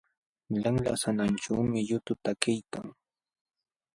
Lanla sananćhuumi yutu takiykan.